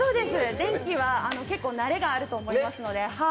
電気は慣れがあると思いますので。